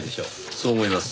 そう思います。